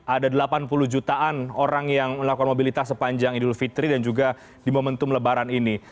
ada delapan puluh jutaan orang yang melakukan mobilitas sepanjang idul fitri dan juga di momentum lebaran ini